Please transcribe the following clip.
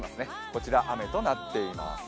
こちら雨となっています。